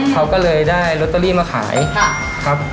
เค้าก็เลยได้มาขายครับ